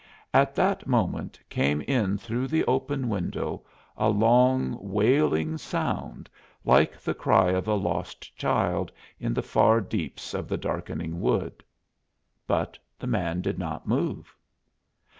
At that moment came in through the open window a long, wailing sound like the cry of a lost child in the far deeps of the darkening wood! But the man did not move.